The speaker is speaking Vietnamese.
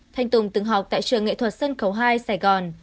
thanh tùng từng học tại trường nghệ thuật sân khấu hai sài gòn